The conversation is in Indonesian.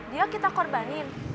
dia kita korbanin